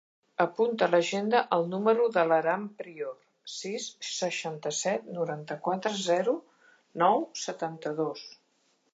Apunta a l'agenda el número de l'Aram Prior: sis, seixanta-set, noranta-quatre, zero, nou, setanta-dos.